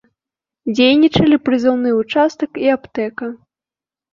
Дзейнічалі прызыўны ўчастак і аптэка.